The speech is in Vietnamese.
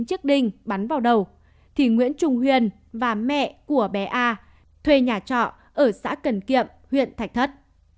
chiếc đình bắn vào đầu thì nguyễn trung huyền và mẹ của bé a thuê nhà trọ ở xã cần kiệm huyện thạch thất